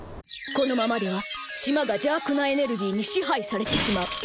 このままでは島が邪悪なエネルギーに支配されてしまう。